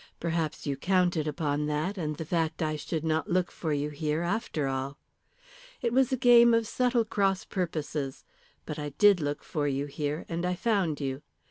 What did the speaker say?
Perhaps you counted upon that, and the fact I should not look for you here, after all. It was a game of subtle cross purposes. But I did look for you here, and I found you.